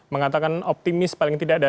mengatakan optimis paling tidak ada